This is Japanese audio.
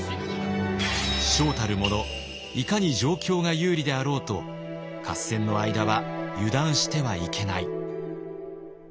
将たる者いかに状況が有利であろうと合戦の間は油断してはいけない。